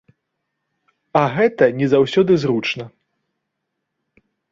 А гэта не заўсёды зручна.